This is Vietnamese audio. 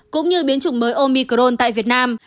cũng như biến chủng mới omicron tại việt nam